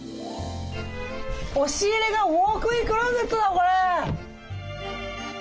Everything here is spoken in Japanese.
押し入れがウォークインクローゼットだこれ！